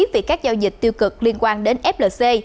vì các giao dịch tiêu cực liên quan đến flc